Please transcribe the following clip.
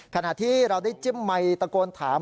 ขณะที่เราได้เจ๊บมัยตะโกนถาม